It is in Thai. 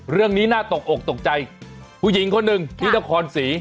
เรื่องนี้น่าตกอกตกใจผู้หญิงคนหนึ่งที่นครศรี